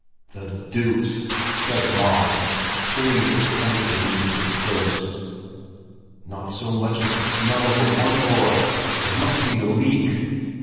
"The deuce!" said Mons, peering disappointedly into his purse. "Not so much as the smell of a one öre! There must be a leak!"